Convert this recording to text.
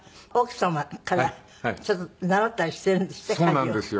そうなんですよ。